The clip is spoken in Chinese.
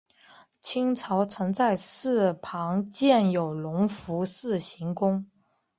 清朝曾在寺旁建有隆福寺行宫。